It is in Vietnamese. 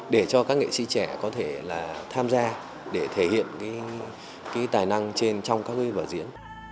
để cho các nghệ sĩ trẻ có thể là tham gia để thể hiện cái tài năng trên trong các vở diễn